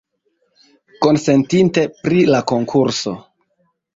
Konsentite pri la konkurso!